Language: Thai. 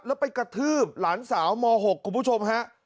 แล้วไปกระทืบหลานสาวม๖คุณผู้ชมฮะ